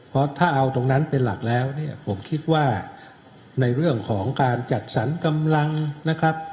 เพราะถ้าเอาตรงนั้นเป็นหลักแล้วเนี่ยผมคิดว่าในเรื่องของการจัดสรรกำลังนะครับ